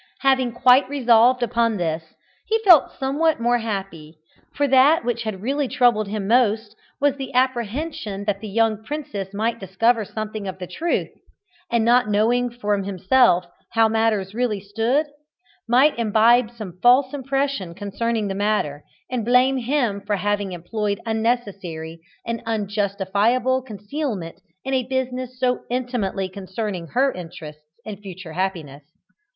Having quite resolved upon this he felt somewhat more happy, for that which had really troubled him most was the apprehension that the young princess might discover something of the truth, and not knowing from himself how matters really stood, might imbibe some false impression concerning the matter, and blame him for having employed unnecessary and unjustifiable concealment in a business so intimately concerning her interests and future happiness.